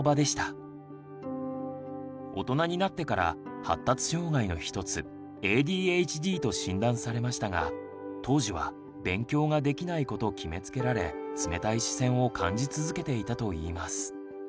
大人になってから発達障害の一つＡＤＨＤと診断されましたが当時は「勉強ができない子」と決めつけられ冷たい視線を感じ続けていたといいます。